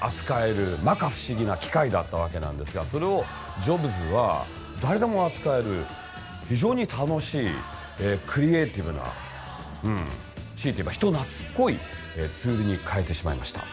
摩訶不思議な機械だった訳なんですがそれをジョブズは誰でも扱える非常に楽しいクリエーティブな強いていえば人懐こいツールに変えてしまいました。